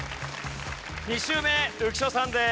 ２周目浮所さんです